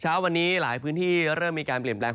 เช้าวันนี้หลายพื้นที่เริ่มมีการเปลี่ยนแปลง